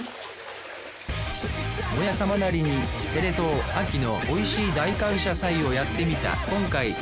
「モヤさま」なりにテレ東秋のおいしい大感謝祭をやってみた今回。